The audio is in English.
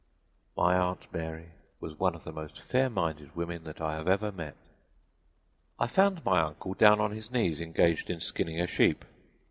"My Aunt Mary was one of the most fair minded women that I have ever met. "I found my uncle down on his knees engaged in skinning a sheep.